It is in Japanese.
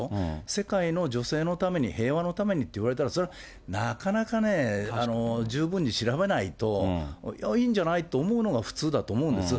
世界の女性のために、平和のためにって言われたら、なかなかね、十分に調べないと、いいんじゃないと思うのが普通だと思うんです。